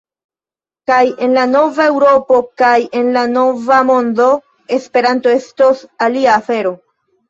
Kaj en la nova Eŭropo kaj en la nova mondo Esperanto estos alia afero.